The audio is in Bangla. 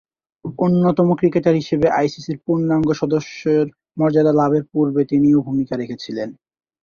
অন্যতম ক্রিকেটার হিসেবে আইসিসি’র পূর্ণাঙ্গ সদস্যের মর্যাদা লাভের পূর্বে তিনিও ভূমিকা রেখেছিলেন।